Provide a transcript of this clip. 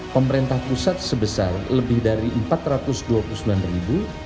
pemerintah pusat sebesar lebih dari empat ratus dua puluh sembilan ribu